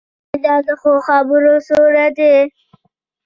جانداد د ښو خبرو سیوری دی.